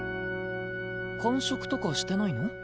間食とかしてないの？